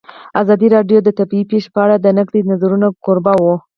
ازادي راډیو د طبیعي پېښې په اړه د نقدي نظرونو کوربه وه.